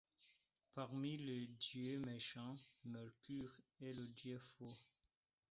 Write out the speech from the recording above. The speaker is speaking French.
Parmi les dieux méchants Mercure est le dieu faux ;